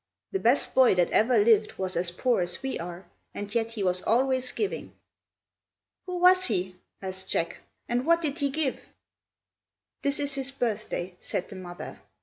The best boy that ever lived was as poor as we are, and yet he was always giving." "Who was he?" asked Jack; "and what did he give?" "This is his birthday," said the mother.